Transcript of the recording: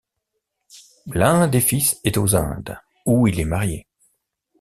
L'un des fils est aux Indes, où il est marié.